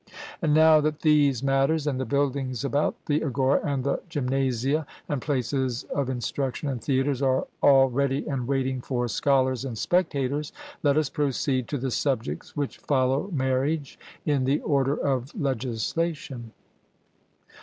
And now that these matters, and the buildings about the agora, and the gymnasia, and places of instruction, and theatres, are all ready and waiting for scholars and spectators, let us proceed to the subjects which follow marriage in the order of legislation.